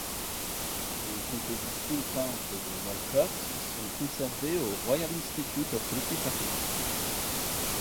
Les compositions peintes de Walcot sont conservées au Royal Institute of British Architects.